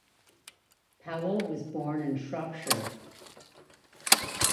Powell was born in Shropshire.